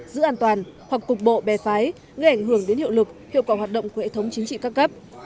giữ an toàn hoặc cục bộ bè phái gây ảnh hưởng đến hiệu lực hiệu quả hoạt động của hệ thống chính trị ca cấp